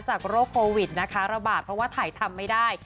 โรคโควิดนะคะระบาดเพราะว่าถ่ายทำไม่ได้